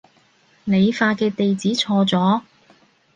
你發嘅地址錯咗